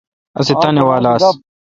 اسہ تانی وال آس۔